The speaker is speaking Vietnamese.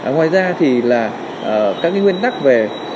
ngoài ra thì là các cái nguyên tắc về